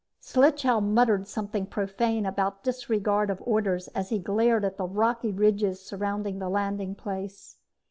Slichow muttered something profane about disregard of orders as he glared at the rocky ridges surrounding the landing place.